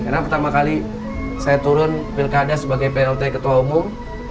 karena pertama kali saya turun pilkada sebagai plt ketua umum